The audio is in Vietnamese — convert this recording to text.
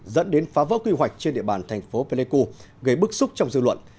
dẫn đến phá vỡ quy hoạch trên địa bàn thành phố pleiku gây bức xúc trong dư luận